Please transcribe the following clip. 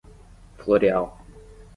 Floreal